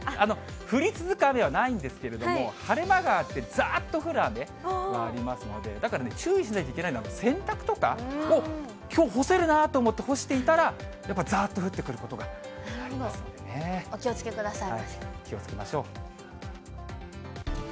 降り続く雨はないんですけれども、晴れ間があって、ざーっと降る雨はありますので、だから注意しなきゃいけないのは、洗濯とかを、きょう干せるなと思って干していたら、やっぱりざーっと降ってくお気をつけください。